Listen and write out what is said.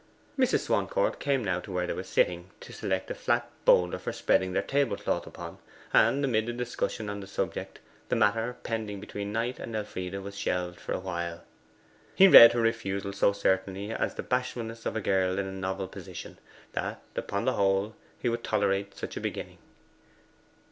Mrs. Swancourt came now to where they were sitting, to select a flat boulder for spreading their table cloth upon, and, amid the discussion on that subject, the matter pending between Knight and Elfride was shelved for a while. He read her refusal so certainly as the bashfulness of a girl in a novel position, that, upon the whole, he could tolerate such a beginning.